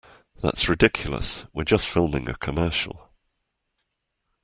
That's ridiculous, we're just filming a commercial.